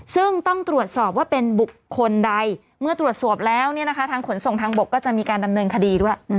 ซึ่งต้องตรวจสอบว่าเป็นบุคคลใดเมื่อตรวจสอบแล้วทางขนส่งทางบกก็จะมีการดำเนินคดีด้วย